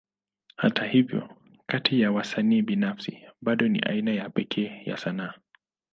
Hata hivyo, kati ya wasanii binafsi, bado ni aina ya pekee ya sanaa.